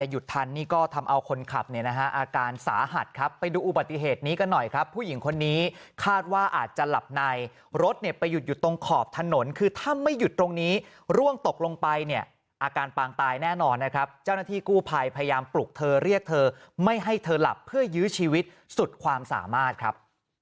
หยุดทันนี่ก็ทำเอาคนขับเนี่ยนะฮะอาการสาหัสครับไปดูอุบัติเหตุนี้กันหน่อยครับผู้หญิงคนนี้คาดว่าอาจจะหลับในรถเนี่ยไปหยุดอยู่ตรงขอบถนนคือถ้าไม่หยุดตรงนี้ร่วงตกลงไปเนี่ยอาการปางตายแน่นอนนะครับเจ้าหน้าที่กู้ภัยพยายามปลุกเธอเรียกเธอไม่ให้เธอหลับเพื่อยื้อชีวิตสุดความสามารถครับ